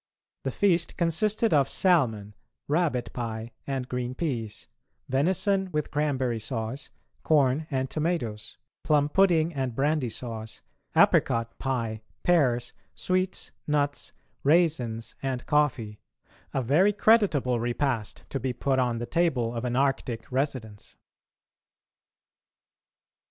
The feast consisted of salmon, rabbit pie and green peas, venison with cranberry sauce, corn and tomatoes, plum pudding and brandy sauce, apricot pie, pears, sweets, nuts, raisins, and coffee: a very creditable repast to be put on the table of an Arctic residence.